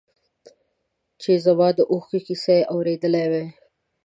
چې زما د اوښکو کیسه یې اورېدی وای.